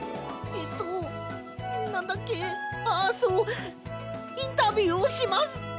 なんだっけあっそうインタビューをします！